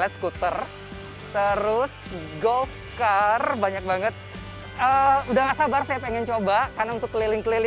lihat skuter terus gol car banyak banget udah gak sabar saya pengen coba karena untuk keliling keliling